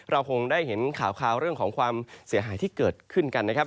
เราคงได้เห็นข่าวเรื่องของความเสียหายที่เกิดขึ้นกันนะครับ